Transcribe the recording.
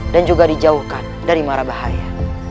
dan juga dijauhkan dari mara bahaya